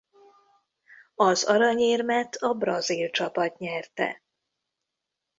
Az aranyérmet a brazil csapat nyerte.